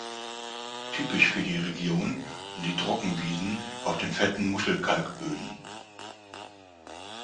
Typisch für die Region sind die Trockenwiesen auf den fetten Muschelkalkböden.